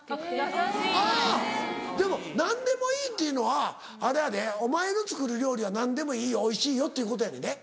・優しい・でも「何でもいい」っていうのはあれやでお前の作る料理は何でもいいよおいしいよっていうことやねんで。